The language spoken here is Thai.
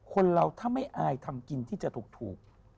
คนเราถ้าไม่อายทำกินที่จะถูก